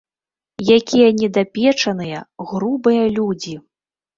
Якія недапечаныя, грубыя людзі.